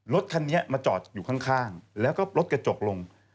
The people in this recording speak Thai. รถคันนี้มาจอดอยู่ข้างแล้วก็รถกระจกลง